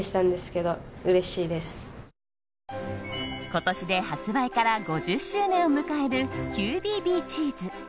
今年で発売から５０周年を迎えるＱ・Ｂ・Ｂチーズ。